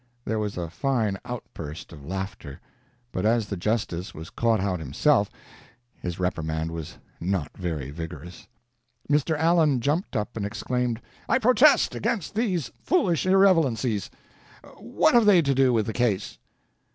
There was a fine outburst of laughter, but as the justice was caught out himself, his reprimand was not very vigorous. Mr. Allen jumped up and exclaimed: "I protest against these foolish irrelevancies. What have they to do with the case?"